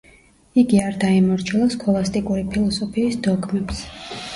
იგი არ დაემორჩილა სქოლასტიკური ფილოსოფიის დოგმებს.